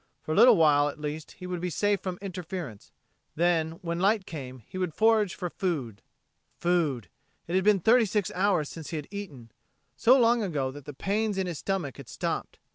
For a little while at least he would be safe from interference; then, when light came, he would forage for food. Food.... It had been thirty six hours since he had eaten so long ago that the pains in his stomach had stopped.